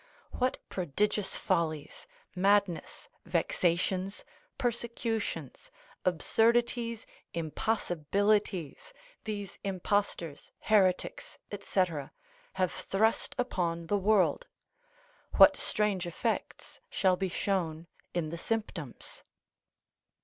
What prodigious follies, madness, vexations, persecutions, absurdities, impossibilities, these impostors, heretics, &c., have thrust upon the world, what strange effects shall be shown in the symptoms.